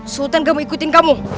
sultan gak mau ikutin kamu